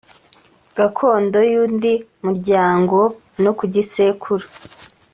gakondo y’undi muryango no ku gisekuru